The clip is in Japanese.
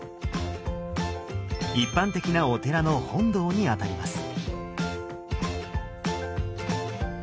一般的なお寺の本堂にあたります。